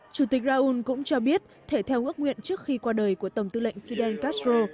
chủ tịch raúl cũng cho biết thể theo ước nguyện trước khi qua đời của tổng tư lệnh fidel castro